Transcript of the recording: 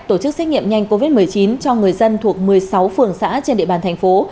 tổ chức xét nghiệm nhanh covid một mươi chín cho người dân thuộc một mươi sáu phường xã trên địa bàn thành phố